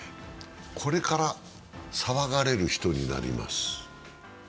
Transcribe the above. これから騒がれる人になります。